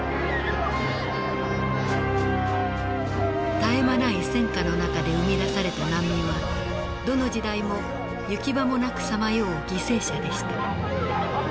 絶え間ない戦火の中で生み出された難民はどの時代も行き場もなくさまよう犠牲者でした。